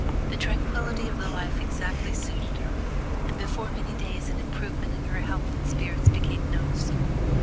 The tranquility of the life exactly suited her, and before many days an improvement in her health and spirits became noticeable.